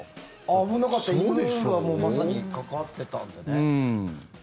犬がまさにかかってたんでね。